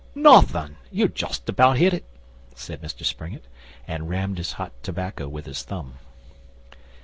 'Nothin'! You've justabout hit it,' said Mr Springett, and rammed his hot tobacco with his thumb.